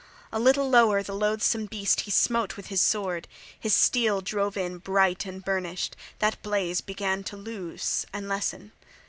A little lower the loathsome beast he smote with sword; his steel drove in bright and burnished; that blaze began to lose and lessen.